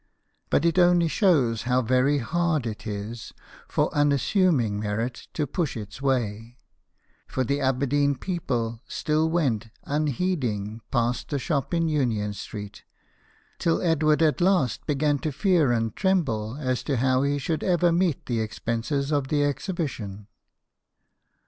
But it only shows how very hard it is for unassuming merit to push its way ; for the Aberdeen people still went unheeding past the shop in Union Street, till Edward at last began to fear and tremble as to how he should ever meet the expenses of the exhibition.